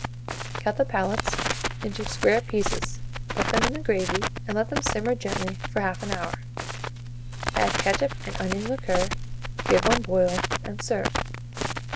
Cut the palates into square pieces, put them in the gravy, and let them simmer gently for 1/2 hour; add ketchup and onion liquor, give one boil, and serve.